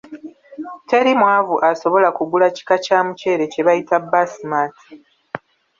Teri mwavu asobola kugula kika kya muceere kye bayita baasimati.